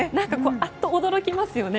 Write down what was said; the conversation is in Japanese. あっと驚きますよね